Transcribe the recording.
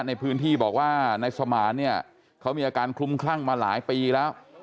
ในพื้นที่บอกว่านายสมานเนี่ยเขามีอาการคลุมคลั่งมาหลายปีแล้ว